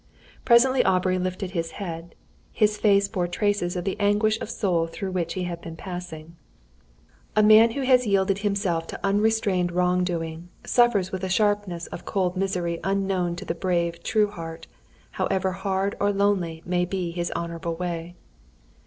Presently Aubrey lifted his head. His face bore traces of the anguish of soul through which he had been passing. A man who has yielded himself to unrestrained wrong doing, suffers with a sharpness of cold misery unknown to the brave true heart, however hard or lonely may be his honourable way.